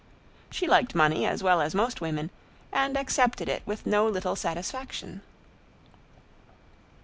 She liked money as well as most women, and accepted it with no little satisfaction.